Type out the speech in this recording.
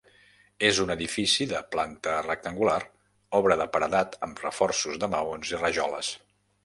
És un edifici de planta rectangular, obra de paredat amb reforços de maons i rajoles.